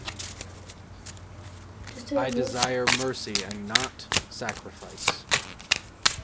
'I desire mercy, and not sacrifice.'